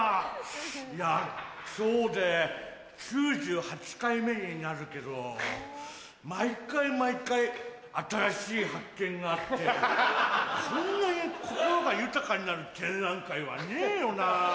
いや今日で９８回目になるけど毎回毎回新しい発見があってこんなに心が豊かになる展覧会はねえよなぁ。